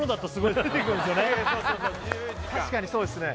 確かにそうですね